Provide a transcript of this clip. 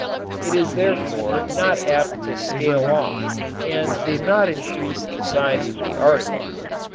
It is therefore not apt to scale off and it does not increase the size of the article.